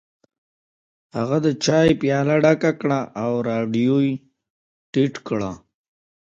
هغه د چای پیاله ډکه کړه او رادیو یې ټیټه کړه